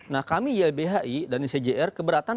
nah kami ylbhi dan icjr keberatan